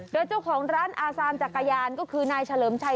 โดยเจ้าของร้านอาซานจักรยานก็คือนายเฉลิมชัย